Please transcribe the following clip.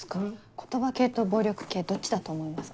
言葉系と暴力系どっちだと思いますか？